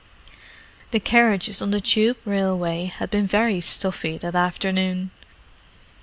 The carriages on the Tube railway had been very stuffy that afternoon.